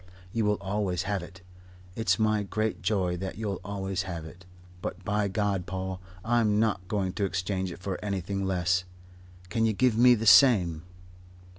You will always have it. It's my great joy that you'll always have it. But, by God, Paul, I'm not going to exchange it for anything less. Can you give me the same?"